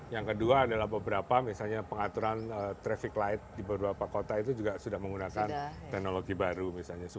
yang kedua adalah beberapa misalnya pengaturan traffic light di beberapa kota itu juga sudah menggunakan teknologi baru misalnya